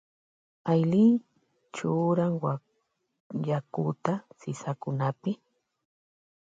Aylin churan yakuta sisakunapi.